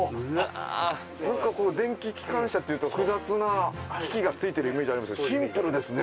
何かこう電気機関車っていうと複雑な機器がついてるイメージありますけどシンプルですね。